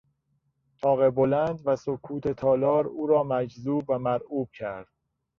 تاق بلند و سکوت تالار او را مجذوب و مرعوب کرد.